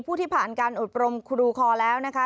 ผู้ที่ผ่านการอดพรมครูคอแล้วนะคะ